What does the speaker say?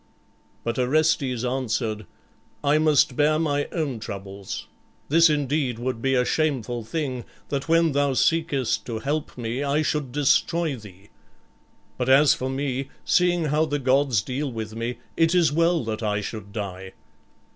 But Orestes answered, "I must bear my own troubles. This indeed would be a shameful thing, that when thou seekest to help me I should destroy thee. But as for me, seeing how the gods deal with me, it is well that I should die.